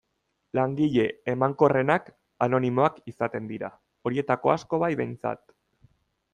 Langile emankorrenak anonimoak izaten dira, horietako asko bai behintzat.